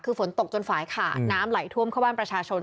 คือฝนตกจนฝ่ายขาดน้ำไหลท่วมเข้าบ้านประชาชน